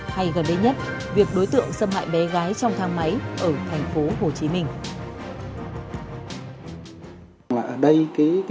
hay gần đây nhất việc đối tượng xâm hại bé gái trong thang máy ở thành phố hồ chí minh